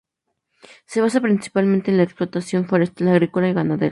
Se basa principalmente en la explotación forestal, agrícola y ganadera.